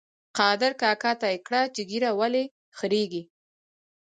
قادر کاکا ته یې کړه چې ږیره ولې خرېیې؟